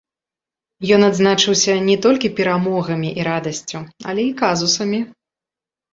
Ён адзначыўся не толькі перамогамі і радасцю, але і казусамі.